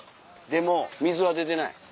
でも水は出てない。